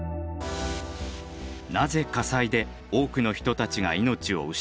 なぜ火災で多くの人たちが命を失ったのか？